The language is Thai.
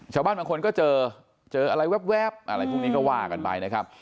ชาวบ้านบางคนก็เจอเจออะไรแว๊บอะไรพวกนี้ก็ว่ากันไปนะครับ